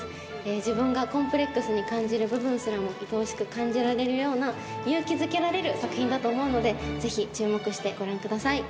自分がコンプレックスに感じる部分すらもいとおしく感じられるような勇気づけられる作品だと思うのでぜひ注目してご覧ください。